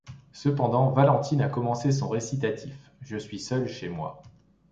Cependant Valentine a commencé son récitatif : Je suis seule chez moi…